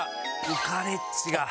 浮かれっちだ！